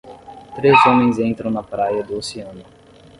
Três homens entram na praia do oceano.